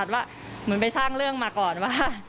ว่าเหมือนไปสร้างเรื่องมาก่อนว่า